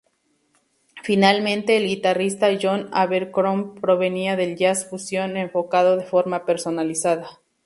Finalmente, el guitarrista John Abercrombie provenía del jazz fusión, enfocado de forma personalizada.